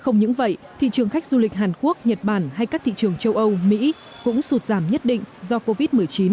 những vậy thị trường khách du lịch hàn quốc nhật bản hay các thị trường châu âu mỹ cũng sụt giảm nhất định do covid một mươi chín